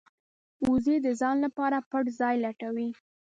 وزې د ځان لپاره پټ ځای لټوي